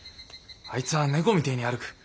あいつは猫みてえに歩く。